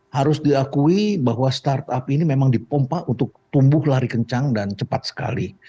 harus diakui bahwa startup ini memang dipompa untuk tumbuh lari kencang dan cepat sekali